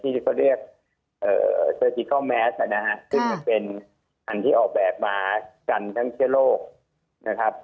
นี่ก็เรียกค่ะซึ่งเป็นที่ออกแบบมากันทั้งทั่งเกษโรคนะครับ